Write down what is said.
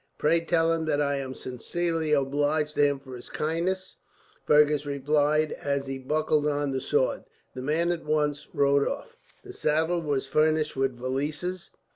"Pray tell him that I am sincerely obliged to him for his kindness," Fergus replied, as he buckled on the sword. The man at once rode off. The saddle was furnished with valises.